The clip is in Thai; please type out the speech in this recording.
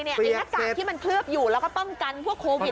หน้ากากที่มันเคลือบอยู่แล้วก็ป้องกันพวกโควิด